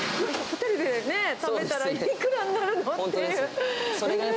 ホテルで食べたらいくらにな本当ですよね。